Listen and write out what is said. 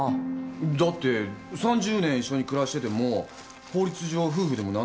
だって３０年一緒に暮らしてても法律上は夫婦でも何でもないんでしょ？